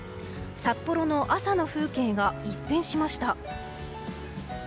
札幌の朝の風景が一変しました。